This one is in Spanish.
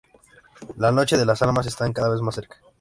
La Noche de las Almas está cada vez más cerca.